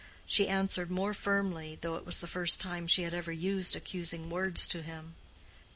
She answered more firmly, though it was the first time she had ever used accusing words to him.